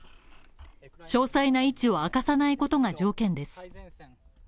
詳細な位置を明かさないことが条件です。